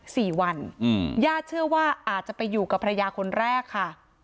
สี่วันอืมญาติเชื่อว่าอาจจะไปอยู่กับภรรยาคนแรกค่ะ